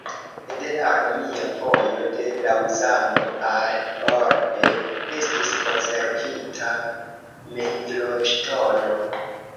De la romia vojo de Laŭzano al Orbe estis konservita mejloŝtono.